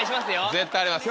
絶対あります。